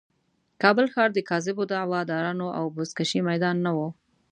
کابل ښار د کاذبو دعوه دارانو د بزکشې میدان نه و.